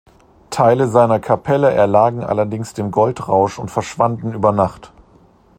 Teile seiner Kapelle erlagen allerdings dem Goldrausch und verschwanden über Nacht.